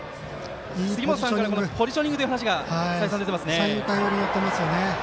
杉本さんからはポジショニングという話が出ていますよね。